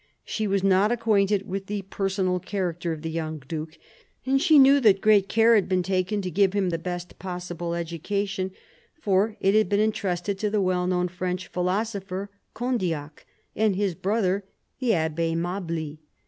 She was not acquainted with the personal character of the young duke, and she knew that great care had been taken to give him the best possible education, for it had been entrusted to the well known French philosopher Condillac and his brother the Abbe Mably.